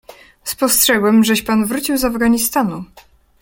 "Spostrzegłem, żeś pan wrócił z Afganistanu."